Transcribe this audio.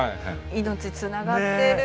命つながってる。